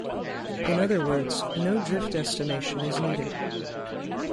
In other words, no drift estimation is needed.